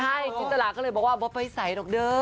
ใช่จิตราก็เลยบอกว่าไม่มีใส่หรอก